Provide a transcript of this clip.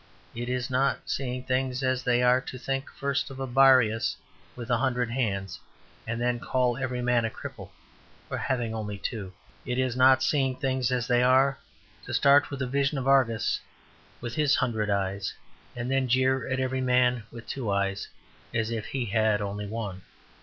It is not seeing things as they are to think first of a Briareus with a hundred hands, and then call every man a cripple for only having two. It is not seeing things as they are to start with a vision of Argus with his hundred eyes, and then jeer at every man with two eyes as if he had only one.